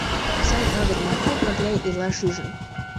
Сай пагыт марте пырля илаш ӱжын.